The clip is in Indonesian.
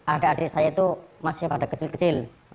adik adik saya itu masih pada kecil kecil